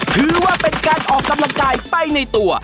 ถือว่าเป็นการออกกำลังกายไปในตัว